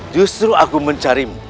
justru aku mencari mu